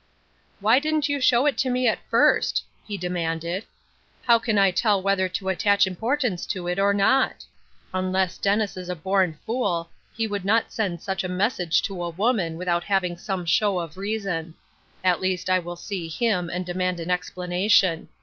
" Why didn't you show it to me at first ?" he demanded. " How can I tell whether to attach importance to it or not ? Unless Dennis is a born fool, he would not send such a message to a woman without having some show of reason. At least, I will see him, and demand an explanation.